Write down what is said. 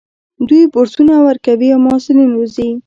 دوی بورسونه ورکوي او محصلین روزي.